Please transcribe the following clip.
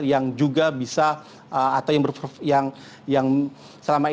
yang juga bisa atau yang selama ini juga diketahui